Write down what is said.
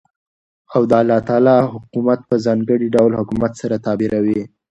او دالله تعالى حكومت په ځانګړي ډول حكومت سره تعبيروي .